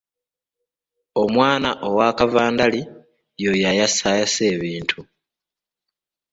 Omwana owa kavandali y'oyo ayasaayasa ebintu.